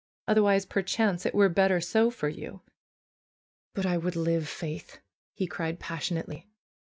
Otherwise perchance it were better so for you." "But I would live. Faith!" he cried, passionately.